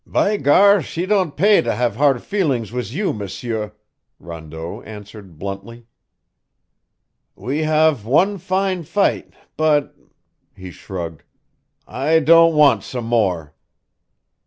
"By gar, she don' pay for have hard feelings wiz you, M'sieur," Rondeau answered bluntly. "We have one fine fight, but" he shrugged "I don' want some more."